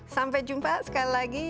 sampai jumpa sekali lagi